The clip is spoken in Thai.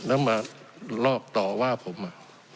แล้วมาลอกต่อว่าผม